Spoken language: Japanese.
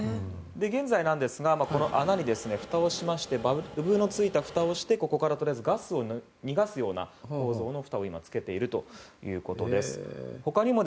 現在なんですが、この穴にバルブのついたふたをしてここからガスを逃がすような構造のふたをつけているということです。